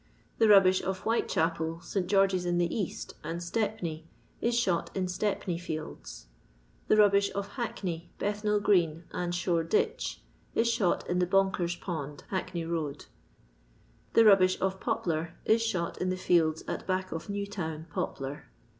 The rubbish of Whiiechapel, St George's in the Bast, and Stepney, is shot in Stepney fields. The mbbish of Hackney, Bethnal green, and Shoreditch, is shot in the Bonkers pond, Hackney road. The rubbish of Poplar is shot in the fields at back of New Town, Poplar.